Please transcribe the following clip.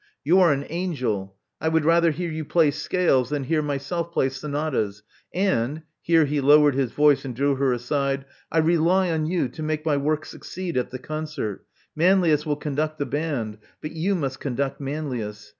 You are an angel. I would rather hear you play scales than hear myself play sonatas. And — here he lowered his voice and drew her aside — *'I rely on you to make my work succeed at the concert. Manlius will conduct the band; but you must conduct Manlius.